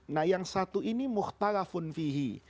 nah yang satu ini muhtalafun fihi